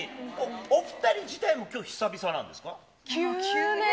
お２人自体もきょう久々なんですか？